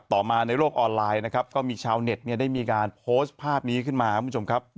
ต่อมาในโลกออนไลน์นะครับก็มีชาวเน็ตได้มีการโพสต์ภาพนี้ขึ้นมาคุณผู้ชมครับ